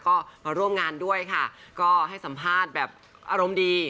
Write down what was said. ก็มาร่วมงานด้วยค่ะก็ให้สัมภาษณ์แบบอารมณ์ดี